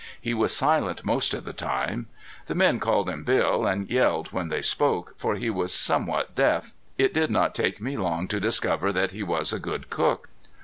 He was silent most of the time. The men called him Bill, and yelled when they spoke, for he was somewhat deaf. It did not take me long to discover that he was a good cook.